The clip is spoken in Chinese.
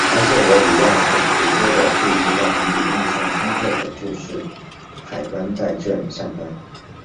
埃塞俄比亚很直接的对意大利印象深刻的就是海关在这里上班。